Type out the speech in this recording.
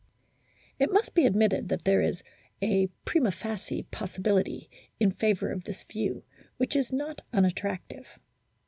It must be admitted that there is a prima facie possibility in favour of this view, which is not un attractive.